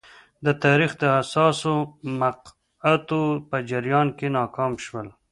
د تاریخ د حساسو مقطعو په جریان کې ناکام شول.